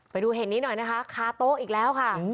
ไปดูเหตุนี้หน่อยนะคะคาโต๊ะอีกแล้วค่ะ